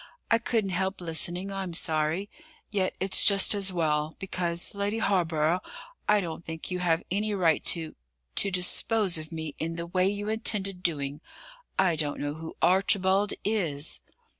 "I couldn't help listening. I'm sorry. Yet it's just as well, because, Lady Hawborough, I don't think you have any right to to dispose of me in the way you intended doing. I don't know who 'Archibald' is."